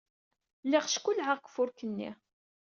Lliɣ ckellɛeɣ deg ufurk-nni.